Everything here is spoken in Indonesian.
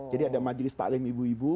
jadi ada majlis ta'lim ibu ibu